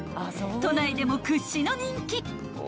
［都内でも屈指の人気］